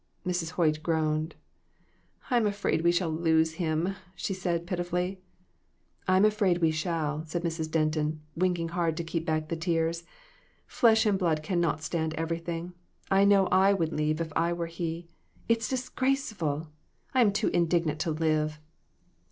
Mrs. Hoyt groaned. " I'm afraid we shall lose him," she said, pitifully. "I'm afraid we shall," said Mrs. Denton, wink ing hard to keep back the tears. "Flesh and blood can not stand everything. I know I would leave if I were he. It's disgraceful ! I'm too indignant to live